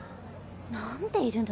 何でいるの？